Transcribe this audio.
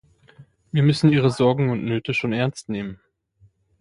Wir müssen ihre Sorgen und Nöte schon ernst nehmen.